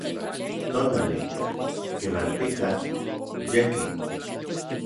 tonali, kemantika, yekin